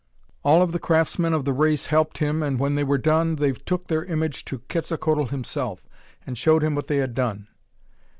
All of the craftsmen of the race helped him and when they were done, they took their image to Quetzalcoatl himself, and showed him what they had done.